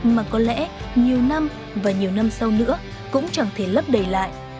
mà có lẽ nhiều năm và nhiều năm sau nữa cũng chẳng thể lấp đầy lại